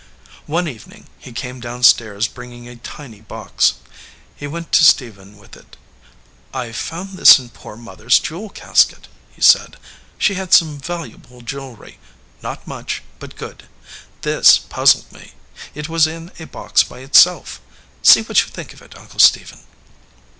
One evening he came down stairs bringing a tiny box. He went to Stephen with it. "I found this in poor mother s jewel casket," he said. "She had some valuable jewelry; not much, but good. This puzzled me. It was in a box by itself. See what you think of it, Uncle Stephen."